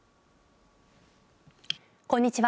こんにちは。